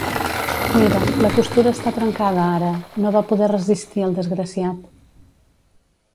Mira, la costura està trencada ara, no va poder resistir el desgraciat.